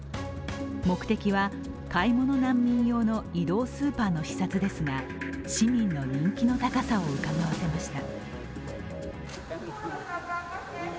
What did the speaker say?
目的は買い物難民用の移動スーパーの視察ですが市民の人気の高さをうかがわせました。